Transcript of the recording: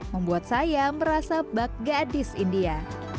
membuat saya merasa bag gadis india